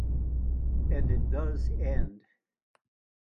And it does end.